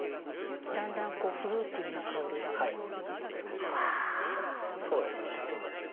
だんだんフルーティな香りがふわっと広がって。